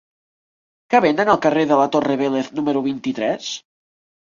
Què venen al carrer de la Torre Vélez número vint-i-tres?